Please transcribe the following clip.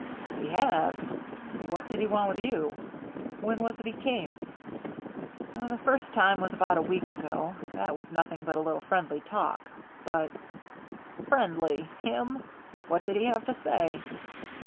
"He has! What did he want with you? When was it he came?" "The first time about a week ago. That was nothing but a little friendly talk, but " "Friendly! Him! What did he have to say?"